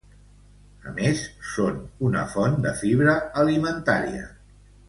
A més són una font de fibra alimentària.